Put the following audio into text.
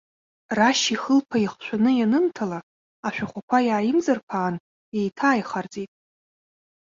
Рашь ихылԥа ихшәаны ианынҭала, ашәахәақәа иааимҵырԥаан еиҭааихарҵеит.